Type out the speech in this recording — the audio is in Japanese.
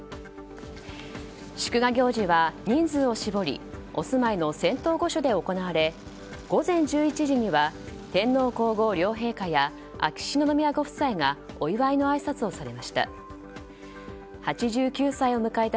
祝賀行事は人数を絞りお住まいの仙洞御所で行われ午前１１時には天皇・皇后両陛下や秋篠宮ご夫妻がお祝いのあいさつをされました。